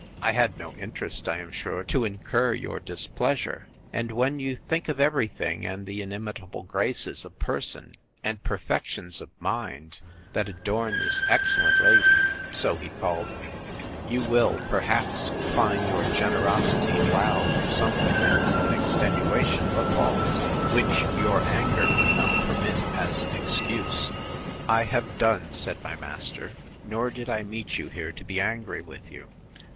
I had no interest, I am sure, to incur your displeasure; and when you think of every thing, and the inimitable graces of person, and perfections of mind, that adorn this excellent lady, (so he called me,) you will, perhaps, find your generosity allow something as an extenuation of a fault, which your anger would not permit as an excuse. I have done, said my master; nor did I meet you here to be angry with you.